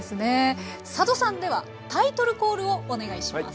佐渡さんではタイトルコールをお願いします。